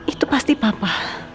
itu pasti papa